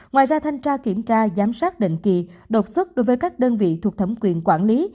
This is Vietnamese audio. ngoài ra thanh tra kiểm tra giám sát định kỳ đột xuất đối với các đơn vị thuộc thẩm quyền quản lý